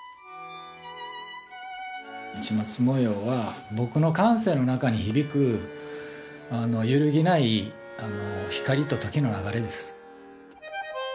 市松模様は僕の感性の中に響く揺るぎない光と時の流れです。